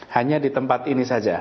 hanya di tempat ini saja